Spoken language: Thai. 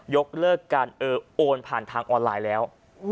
ยกเลิกการโอนผ่านทางออนไลน์แล้ว